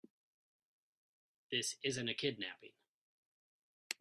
This isn't a kidnapping.